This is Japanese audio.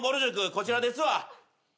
こちらですわ。